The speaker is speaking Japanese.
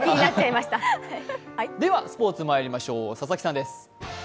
ではスポーツまいりましょう、佐々木さんです。